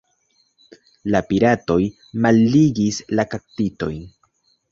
La piratoj malligis la kaptitojn.